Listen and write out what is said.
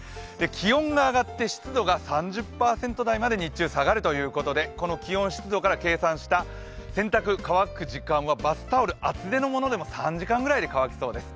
気温が上がって湿度が３０％台まで日中下がるということでこの気温・湿度から計算した洗濯、乾く時間はバスタオル、厚手のものでも３時間ぐらいで乾きそうです。